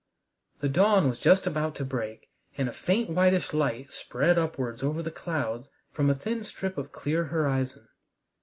The dawn was just about to break, and a faint whitish light spread upwards over the clouds from a thin strip of clear horizon.